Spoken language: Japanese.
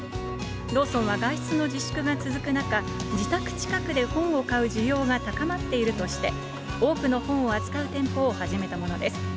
ローソンは外出の自粛が続く中、自宅近くで本を買う需要が高まっているとして、多くの本を扱う店舗を始めたものです。